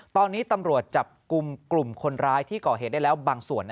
ตอนนี้ตำรวจจับกลุ่มกลุ่มคนร้ายที่ก่อเหตุได้แล้วบางส่วน